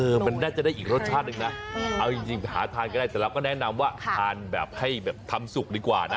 มันน่าจะได้อีกรสชาติหนึ่งนะเอาจริงหาทานก็ได้แต่เราก็แนะนำว่าทานแบบให้แบบทำสุกดีกว่านะ